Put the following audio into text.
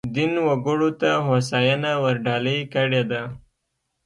دین وګړو ته هوساینه ورډالۍ کړې ده.